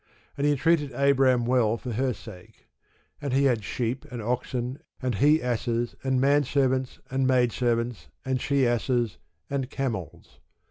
And he entreated Abram well for her sake: and he had sheep, and oxen, and he asses, and menservants, and maidservants, and she asses, and camels.